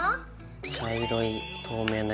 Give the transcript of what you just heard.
茶色い透明な。